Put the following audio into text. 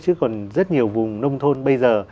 chứ còn rất nhiều vùng nông thôn bây giờ